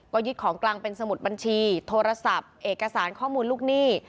ก็ยึดของกลางเป็นสมุดบัญชีโทรศัพท์เอกสารข้อมูลลูกหนี้